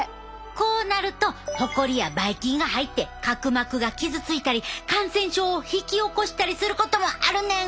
こうなるとホコリやばい菌が入って角膜が傷ついたり感染症を引き起こしたりすることもあるねん！